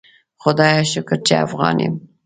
خدایه شکر چی افغان یم